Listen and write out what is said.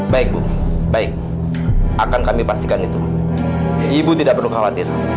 baik bu baik akan kami pastikan itu ibu tidak perlu khawatir